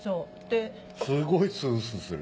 すごいススする。